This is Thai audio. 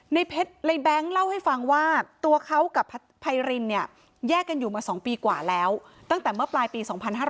ในแบงค์เล่าให้ฟังว่าตัวเขากับไพรินเนี่ยแยกกันอยู่มา๒ปีกว่าแล้วตั้งแต่เมื่อปลายปี๒๕๕๙